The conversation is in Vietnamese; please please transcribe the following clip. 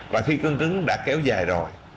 và khi cưng cứng đã kéo dài rồi